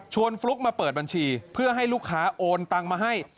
ฟลุ๊กมาเปิดบัญชีเพื่อให้ลูกค้าโอนตังมาให้